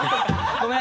ごめん！